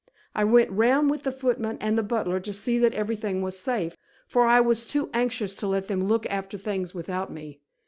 I went round with the footmen and the butler to see that everything was safe, for I was too anxious to let them look after things without me.